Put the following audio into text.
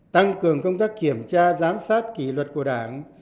tăng cường công tác kiểm tra giám sát kỷ luật của đảng